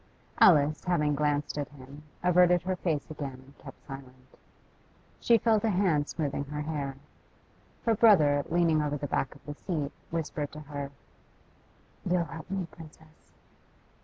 Alice, having glanced at him, averted her face again and kept silence. She felt a hand smoothing her hair. Her brother, leaning over the back of her seat, whispered to her, 'You'll help me, Princess?